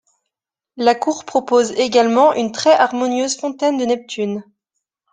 La cour propose également une très harmonieuse fontaine de Neptune.